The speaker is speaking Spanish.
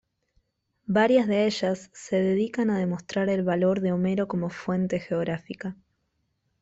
Varias de ellas se dedican a demostrar el valor de Homero como fuente geográfica.